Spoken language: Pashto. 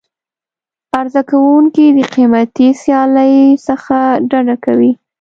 عرضه کوونکي د قیمتي سیالۍ څخه ډډه کوي.